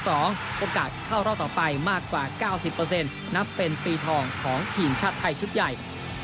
โอกาสเข้ารอบต่อไปมากกว่า๙๐นับเป็นปีทองของทีมชาติไทยชุดใหญ่